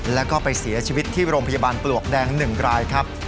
แล้วก็ไปเสียชีวิตที่โรงพยาบาลปลวกแดง๑รายครับ